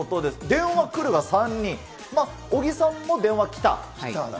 電話くるが３人、尾木さんも電話来た。